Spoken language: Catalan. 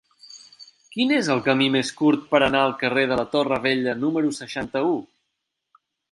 Quin és el camí més curt per anar al carrer de la Torre Vella número seixanta-u?